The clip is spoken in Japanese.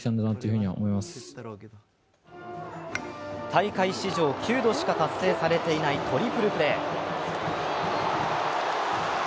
大会史上、９度しか達成されていないトリプルプレー。